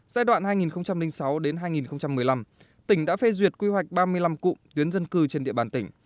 giai đoạn hai nghìn sáu hai nghìn một mươi năm tỉnh đã phê duyệt quy hoạch ba mươi năm cụm tuyến dân cư trên địa bàn tỉnh